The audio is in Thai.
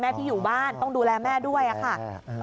แม่พี่อยู่บ้านต้องดูแลแม่ด้วยนะครับ